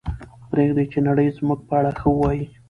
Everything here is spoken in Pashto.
پرېږدئ چې نړۍ زموږ په اړه ښه ووایي.